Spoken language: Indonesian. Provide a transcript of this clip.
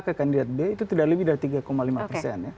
ke kandidat b itu tidak lebih dari tiga lima persen